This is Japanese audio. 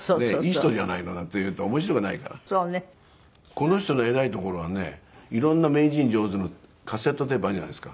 この人の偉いところはね色んな名人上手のカセットテープあるじゃないですか。